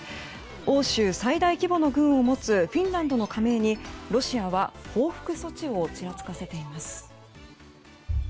欧州最大規模の軍を持つフィンランドの加盟にロシアは報復措置をちらつかせています。